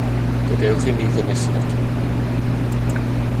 Gadewch i ni ddynesu ato.